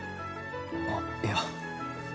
あっいや